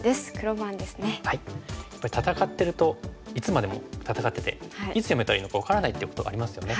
やっぱり戦ってるといつまでも戦ってていつやめたらいいのか分からないってことありますよね。